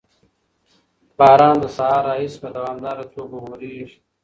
باران له سهار راهیسې په دوامداره توګه ورېږي.